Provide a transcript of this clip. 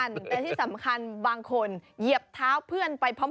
แต่ที่สำคัญบางคนเหยียบเท้าเพื่อนไปพร้อม